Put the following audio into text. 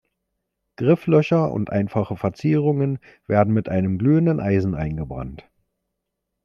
Grifflöcher und einfache Verzierungen werden mit einem glühenden Eisen eingebrannt.